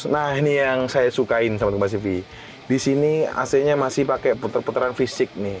nah ini yang saya sukain di sini ac nya masih pakai puter puteran fisik